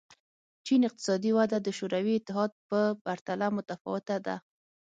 چین اقتصادي وده د شوروي اتحاد په پرتله متفاوته ده.